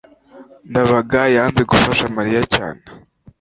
ndabaga yanze gufasha mariya cyane